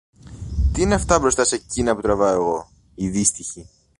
Τι είναι αυτά μπροστά σε κείνα που τραβώ εγώ, η δύστυχη!